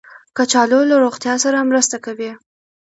کچالو له روغتیا سره مرسته کوي